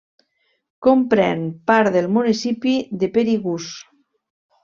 Comprèn part del municipi de Perigús.